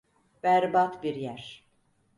Berbat bir yer.